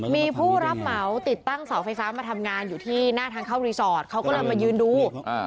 มีผู้รับเหมาติดตั้งเสาไฟฟ้ามาทำงานอยู่ที่หน้าทางเข้ารีสอร์ทเขาก็เลยมายืนดู